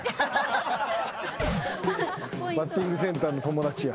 バッティングセンターの友達や。